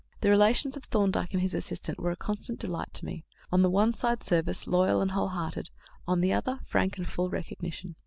The relations of Thorndyke and his assistant were a constant delight to me: on the one side, service, loyal and whole hearted; on the other, frank and full recognition.